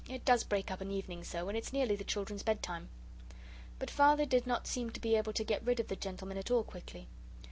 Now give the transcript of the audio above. It does break up an evening so, and it's nearly the children's bedtime." But Father did not seem to be able to get rid of the gentlemen at all quickly.